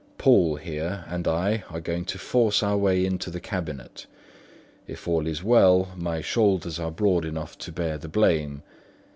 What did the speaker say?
Poole, here, and I are going to force our way into the cabinet. If all is well, my shoulders are broad enough to bear the blame.